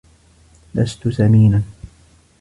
لست سمينا!